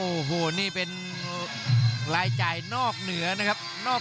โอ้โหนี่เป็นรายจ่ายนอกเหนือนะครับ